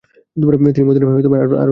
তিনি মদিনায় আরও একটি সেনাদল পাঠাবেন।